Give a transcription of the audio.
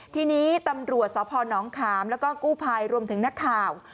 ทีนี้ตำรวจสพนขามแล้วก็กู้ภัยรวมถึงนักข่าว